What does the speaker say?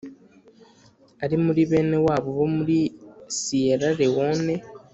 ari muri bene wabo bo muri Siyera Lewone